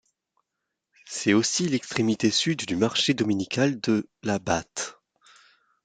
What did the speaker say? C'est aussi l'extrémité sud du marché dominical de la Batte.